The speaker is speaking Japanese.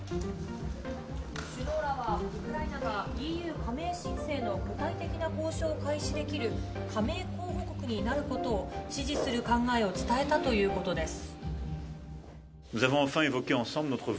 首脳らはウクライナがＥＵ加盟申請の具体的な交渉を開始できる加盟候補国になることを支持する考えを伝えたということです。